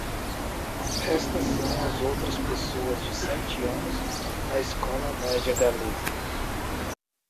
Estas são as outras pessoas de sete anos na escola média-galesa.